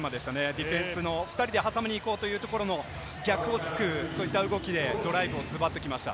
ディフェンスの２人ではさみに行こうというところの逆を突く、そういった動きでドライブ、ズバっときました。